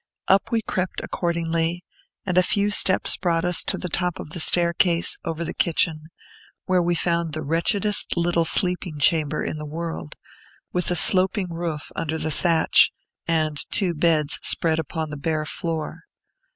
Up we crept, accordingly; and a few steps brought us to the top of the staircase, over the kitchen, where we found the wretchedest little sleeping chamber in the world, with a sloping roof under the thatch, and two beds spread upon the bare floor.